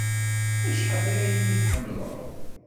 Acḥal ay iyi-tḥemmleḍ?